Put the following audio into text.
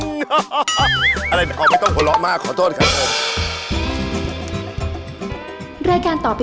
ฮ่าอะไรไม่ต้องโหลดมากขอโทษค่ะ